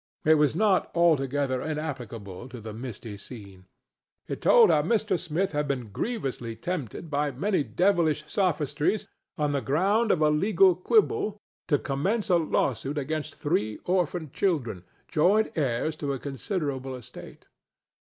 It was not altogether inapplicable to the misty scene. It told how Mr. Smith had been grievously tempted by many devilish sophistries, on the ground of a legal quibble, to commence a lawsuit against three orphan children, joint heirs to a considerable estate.